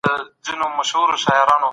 دورکهايم د سوسياليزم په پلوي خبري نه کولې.